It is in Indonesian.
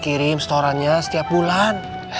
kirim setorannya setiap bulan